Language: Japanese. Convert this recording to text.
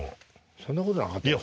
そんなことなかったですよ。